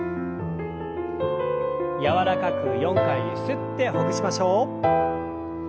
柔らかく４回ゆすってほぐしましょう。